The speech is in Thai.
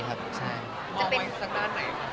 มองไปสักด้านไหนครับต่อ